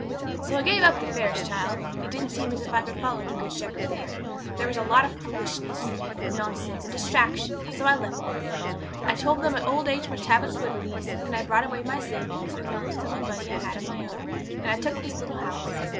'So I gave up the fairs, child; it didn't seem as if I could follow the Good Shepherd there. There was a lot of foolishness, and nonsense, and distraction; so I left them. I told them old age must have its liberties; and I brought away my savings, and a little sum of money I had of my own, and I took this little house.